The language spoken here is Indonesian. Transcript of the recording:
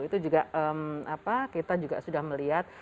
itu juga kita juga sudah melihat